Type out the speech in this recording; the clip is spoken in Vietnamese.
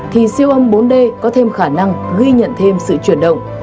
thì siêu âm bốn d có thêm khả năng ghi nhận thêm sự chuyển động